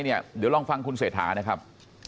เดี๋ยวลองฟังคุณเศรษฐานะครับ